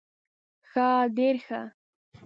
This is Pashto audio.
ښه ډير ښه